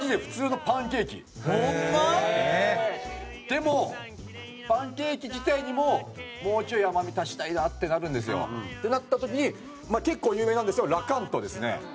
でもパンケーキ自体にももうちょい甘み足したいなってなるんですよ。ってなった時に結構有名なんですけどラカントですね。